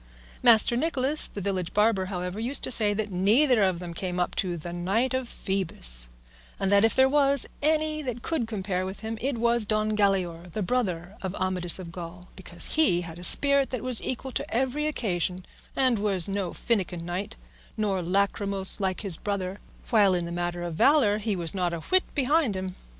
Master Nicholas, the village barber, however, used to say that neither of them came up to the Knight of Phoebus, and that if there was any that could compare with him it was Don Galaor, the brother of Amadis of Gaul, because he had a spirit that was equal to every occasion, and was no finikin knight, nor lachrymose like his brother, while in the matter of valour he was not a whit behind him.